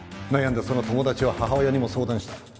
悩んだその友達は母親にも相談した。